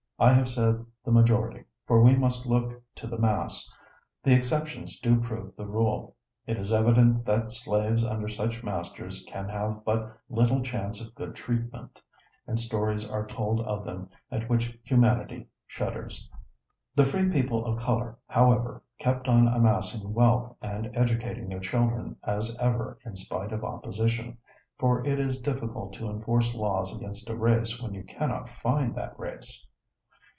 I have said the majority: for we must look to the mass the exceptions do prove the rule. It is evident that slaves under such masters can have but little chance of good treatment, and stories are told of them at which humanity shudders." The free people of color, however, kept on amassing wealth and educating their children as ever in spite of opposition, for it is difficult to enforce laws against a race when you cannot find that race.